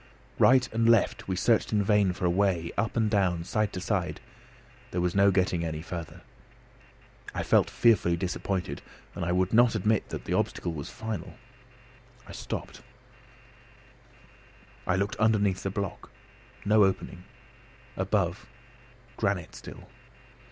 Right and left we searched in vain for a way, up and down, side to side; there was no getting any farther. I felt fearfully disappointed, and I would not admit that the obstacle was final. I stopped, I looked underneath the block: no opening. Above: granite still.